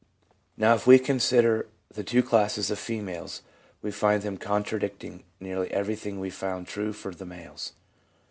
Now, if we consider the two classes of females, we find them contradicting nearly everything we found true for the males.